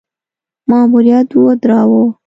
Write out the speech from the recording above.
ماموریت ودراوه.